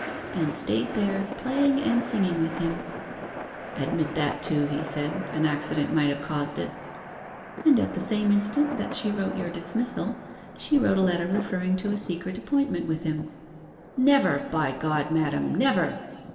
'And stayed there playing and singing with him.' 'Admit that, too,' he said; 'an accident might have caused it.' 'And at the same instant that she wrote your dismissal she wrote a letter referring to a secret appointment with him.' 'Never, by God, madam! never!